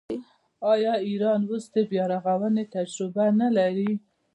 آیا ایران اوس د بیارغونې تجربه نلري؟